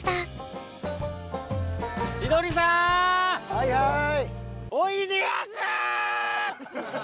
はいはい。